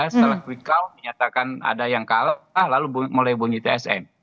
setelah quick count menyatakan ada yang kalah lalu mulai bunyi tsm